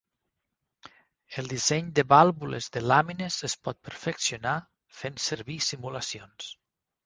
El disseny de vàlvules de làmines es pot perfeccionar fent servir simulacions.